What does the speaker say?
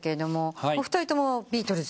お二人ともビートルズ。